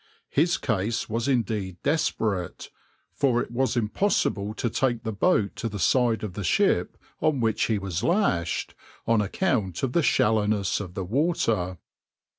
His case was indeed desperate, for it was impossible to take the boat to the side of the ship on which he was lashed, on account of the shallowness of the water.